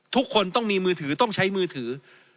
ทุกคนต้องมีมือถือต้องใช้มือถือ